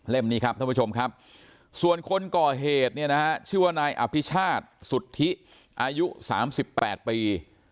นี้ครับท่านผู้ชมครับส่วนคนก่อเหตุเนี่ยนะฮะชื่อว่านายอภิชาติสุทธิอายุ๓๘ปี